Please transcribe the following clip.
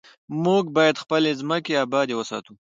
موږ باید خپلې ځمکې ابادې وساتو.